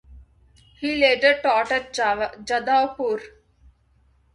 He later taught at Jadavpur.